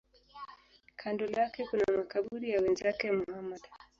Kando lake kuna makaburi ya wenzake Muhammad.